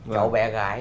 cháu bé gái